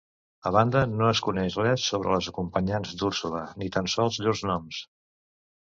A banda, no es coneix res sobre les acompanyants d'Úrsula, ni tan sols llurs noms.